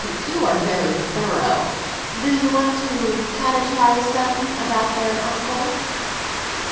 "You are very thorough. Do you want to catechise them about their uncle!"